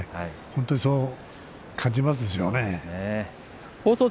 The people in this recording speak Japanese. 本当にそう感じますでしょうね。